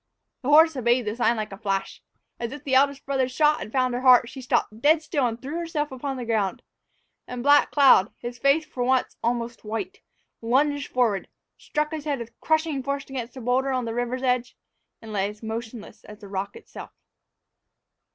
The horse obeyed the sign like a flash. As if the eldest brother's shot had found her heart, she stopped dead still and threw herself upon the ground, and Black Cloud, his face for once almost white, lunged forward, struck his head with crushing force against a boulder on the river's edge, and lay as motionless as the rock itself!